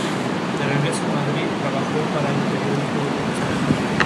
Pero en su aislamiento, no tuvo información sobre el descubrimiento de la energía atómica.